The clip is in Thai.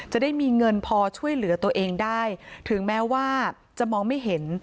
จะได้มีเงินพอช่วยเหลือตัวเองได้ถึงแม้ว่าจะมองไม่เห็น